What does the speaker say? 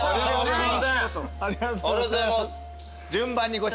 ありがとうございます。